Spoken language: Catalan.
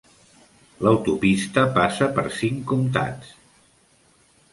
L'autopista passa per cinc comtats.